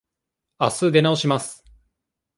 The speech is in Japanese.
あす出直します。